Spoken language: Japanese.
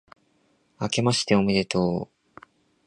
明けましておめでとう